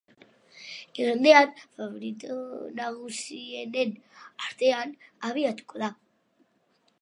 Igandean favorito nagusienen artean abiatuko da.